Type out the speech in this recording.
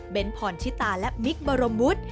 เป็นพรชิตาและมิคบรมวุฒิ